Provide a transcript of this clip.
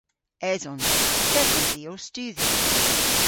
Esons. Yth esons i ow studhya.